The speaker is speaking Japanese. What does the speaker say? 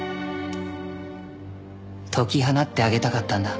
解き放ってあげたかったんだ。